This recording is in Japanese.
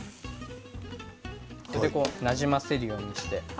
なじませるようにして。